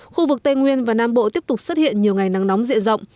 khu vực tây nguyên và nam bộ tiếp tục xuất hiện nhiều ngày nắng nóng dịa rộng